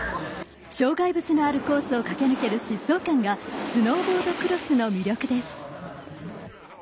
障害物のあるコースを駆け抜ける疾走感がスノーボードクロスの魅力です。